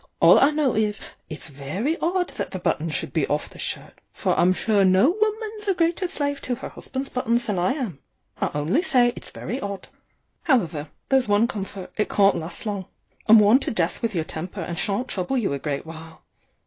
All I know is, it's very odd that the button should be off the shirt; for I'm sure no woman's a greater slave to her husband's buttons than I am. I only say it's very odd. However, there's one comfort; it can't last long. I'm worn to death with your temper, and sha'n't trouble you a great while.